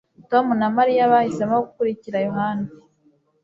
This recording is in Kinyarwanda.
Tom na Mariya bahisemo gukurikira Yohana